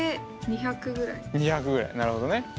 なるほどね。え？